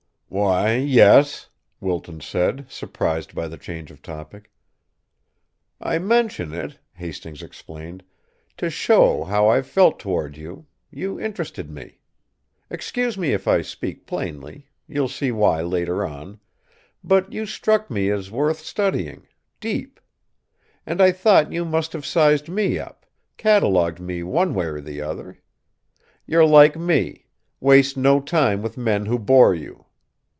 "Why, yes," Wilton said, surprised by the change of topic. "I mention it," Hastings explained, "to show how I've felt toward you you interested me. Excuse me if I speak plainly you'll see why later on but you struck me as worth studying, deep. And I thought you must have sized me up, catalogued me one way or the other. You're like me: waste no time with men who bore you.